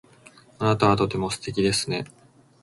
あなたはとても素敵ですね。